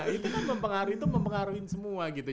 itu kan mempengaruhi semua gitu